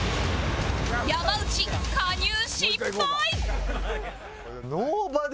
山内加入失敗！